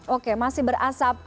oke masih berasap